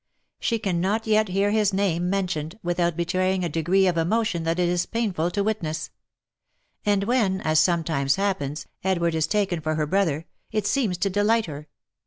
She can not yet hear his name mentioned, without betraying a degree of emo tion that it is painful to witness ; and when, as sometimes happens, Edward is taken for her brother, it seems to delight her.